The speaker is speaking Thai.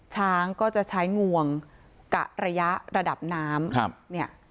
ช้างก็จะใช้งวงกระระยะระดับน้ำ